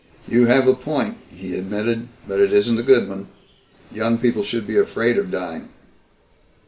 "You have a point," he admitted, "but it isn't a good one. Young people should be afraid of dying."